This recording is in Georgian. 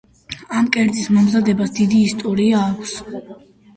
ამ კერძის მომზადებას დიდი ისტორია აქვს.